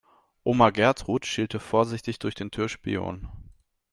Oma Gertrud schielte vorsichtig durch den Türspion.